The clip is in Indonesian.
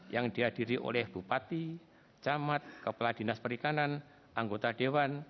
yang dihadiri oleh bupati camat kepala dinas perikanan anggota dewan